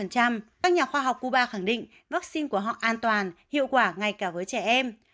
các nhà khoa học cuba khẳng định vaccine của họ an toàn hiệu quả ngay cả với trẻ em